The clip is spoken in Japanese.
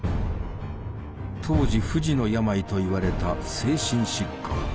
当時不治の病といわれた精神疾患。